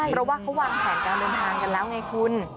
เพราะว่าเขาวางแผนการเดินทางกันแล้วไงคุณ